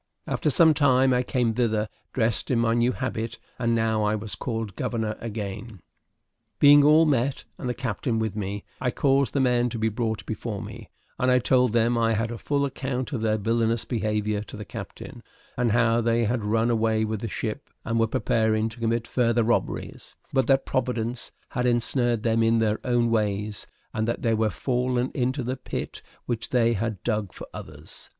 After some time, I came thither dressed in my new habit; and now I was called governor again. Being all met, and the captain with me, I caused the men to be brought before me, and I told them I had a full account of their villanous behavior to the captain, and how they had run away with the ship, and were preparing to commit further robberies, but that Providence had ensnared them in their own ways, and that they were fallen into the pit which they had dug for others.